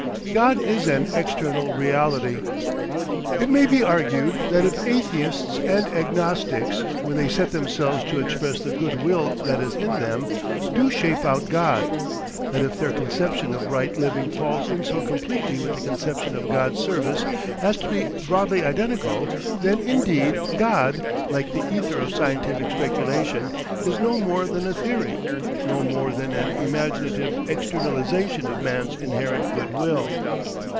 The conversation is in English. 3. GOD IS AN EXTERNAL REALITY It may be argued that if atheists and agnostics when they set themselves to express the good will that is in them, do shape out God, that if their conception of right living falls in so completely with the conception of God's service as to be broadly identical, then indeed God, like the ether of scientific speculation, is no more than a theory, no more than an imaginative externalisation of man's inherent good will.